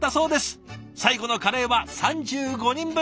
最後のカレーは３５人分！